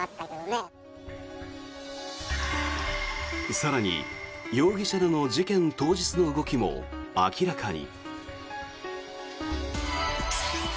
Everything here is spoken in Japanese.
更に、容疑者らの事件当日の動きも明らかに。